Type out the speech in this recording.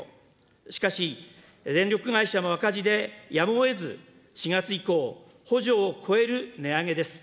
しかし、電力会社も赤字でやむをえず、４月以降、補助を超える値上げです。